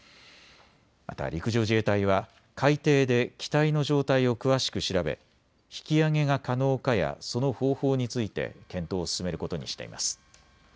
また陸上自衛隊は海底で機体の状態を詳しく調べ引き揚げが可能かやその方法について検討を進めることにしています。